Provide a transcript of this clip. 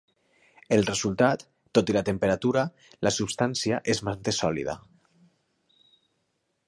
El resultat, tot i la temperatura, la substància es manté sòlida.